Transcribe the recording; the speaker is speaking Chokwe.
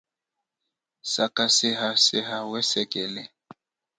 Sakaseha seha wesekele.